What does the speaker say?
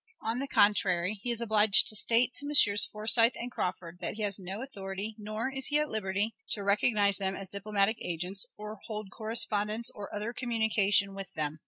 On the contrary, he is obliged to state to Messrs. Forsyth and Crawford that he has no authority, nor is he at liberty, to recognize them as diplomatic agents, or hold correspondence or other communication with them.